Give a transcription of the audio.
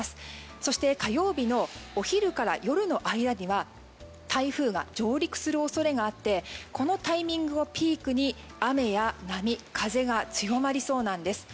そして火曜日のお昼から夜の間には台風が上陸する恐れがあってこのタイミングをピークに雨や波、風が強まりそうなんです。